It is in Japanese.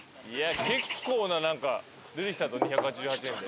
結構な何か出てきたぞ２８８円で。